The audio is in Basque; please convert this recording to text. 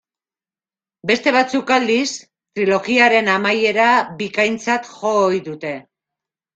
Beste batzuk aldiz, trilogiaren amaiera bikaintzat jo ohi dute.